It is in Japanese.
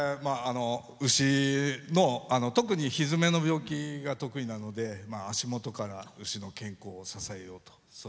牛の特にひづめの病気が得意なので足元から牛の健康を支えようと。